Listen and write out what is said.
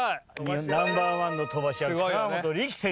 ナンバーワンの飛ばし屋河本力選手。